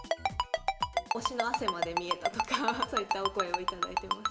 推しの汗まで見えたとか、そういったお声を頂いてます。